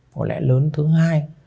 có lẽ lớn thứ hai